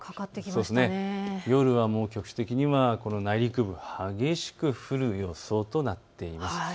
夜はもう局地的には内陸部、激しく降る予想となっています。